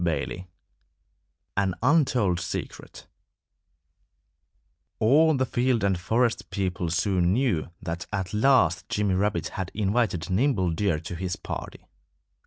XXI AN UNTOLD SECRET All the field and forest people soon knew that at last Jimmy Rabbit had invited Nimble Deer to his party.